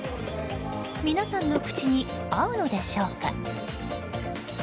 皆さんの口に合うのでしょうか。